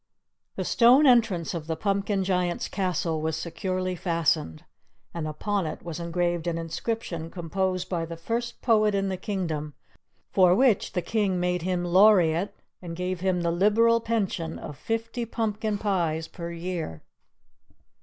The stone entrance of the Pumpkin Giant's Castle was securely fastened, and upon it was engraved an inscription composed by the first poet in the kingdom, for which the King made him laureate, and gave him the liberal pension of fifty pumpkin pies per year.